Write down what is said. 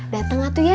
dateng atuh ya